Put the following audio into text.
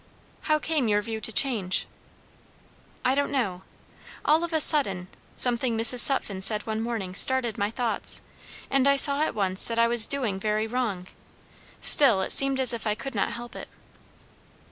"How came your view to change?" "I don't know. All of a sudden. Something Mrs. Sutphen said one morning started my thoughts, and I saw at once that I was doing very wrong. Still it seemed as if I could not help it."